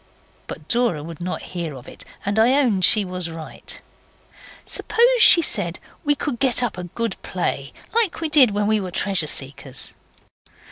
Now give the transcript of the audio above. But Dora would not hear of it, and I own she was right. 'Suppose,' she said, 'we could get up a good play like we did when we were Treasure Seekers.